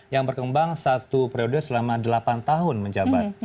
yang berkembang satu periode selama delapan tahun menjabat